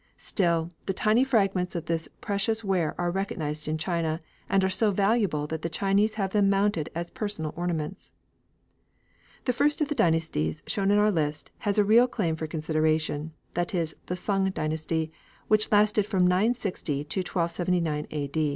Still, the tiny fragments of this precious ware are recognised in China, and are so valuable that the Chinese have them mounted as personal ornaments. The first of the dynasties shown in our list has a real claim for consideration, that is, the Sung dynasty, which lasted from 960 to 1279 A.